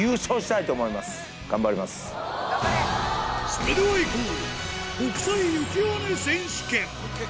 それではいこう！